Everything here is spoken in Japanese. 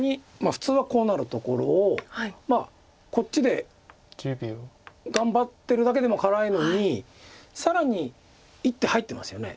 普通はこうなるところをこっちで頑張ってるだけでも辛いのに更に１手入ってますよね